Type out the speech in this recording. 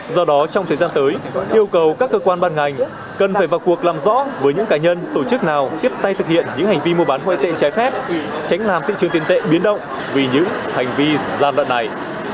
do đó trong thời gian tới yêu cầu các cơ quan ban ngành cần phải vào cuộc làm rõ với những cá nhân tổ chức nào tiếp tay thực hiện những hành vi mua bán ngoại tệ trái phép tránh làm thị trường tiền tệ biến động vì những hành vi gian đoạn này